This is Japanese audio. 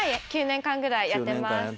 ９年間ぐらいやってます。